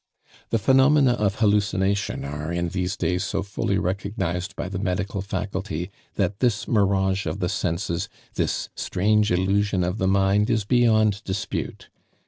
The phenomena of hallucination are in these days so fully recognized by the medical faculty that this mirage of the senses, this strange illusion of the mind is beyond dispute.